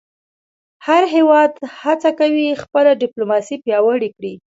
هر هېواد هڅه کوي خپله ډیپلوماسي پیاوړې کړی.